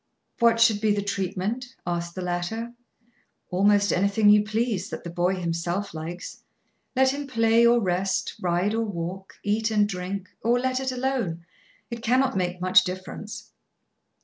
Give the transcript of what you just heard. "What should be the treatment?" asked the latter. "Almost anything you please that the boy himself likes. Let him play or rest, ride or walk, eat and drink, or let it alone; it cannot make much difference."